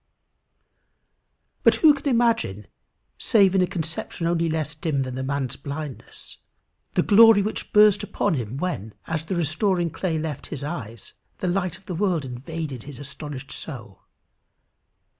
But who can imagine, save in a conception only less dim than the man's blindness, the glory which burst upon him when, as the restoring clay left his eyes, the light of the world invaded his astonished soul?